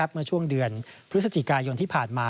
เมื่อช่วงเดือนพฤศจิกายนที่ผ่านมา